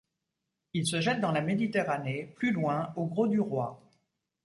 Il se jette dans la Méditerranée, plus loin au Grau-du-Roi.